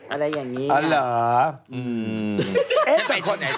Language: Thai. อะไรอย่างนี้